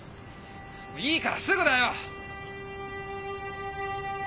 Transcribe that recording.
いいからすぐだよ！